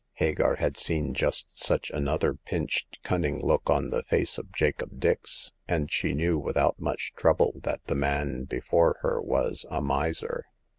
Hagar had seen just such another pinched, cunning look on the face of Jacob Dix, and she knew without much trouble that the man before her was a miser.